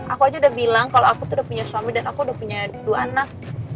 aku aja udah bilang kalau aku tuh udah punya suami dan aku udah punya dua anak